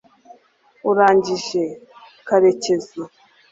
urangije, karekezi